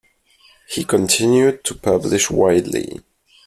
He continued to publish widely.